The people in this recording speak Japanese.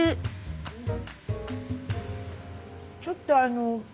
ちょっとあの